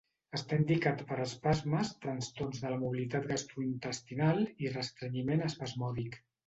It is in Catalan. Està indicat per espasmes, trastorns de la motilitat gastrointestinal i restrenyiment espasmòdic.